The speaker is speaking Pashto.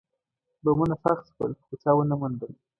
بمونه ښخ شول، خو چا ونه موندل.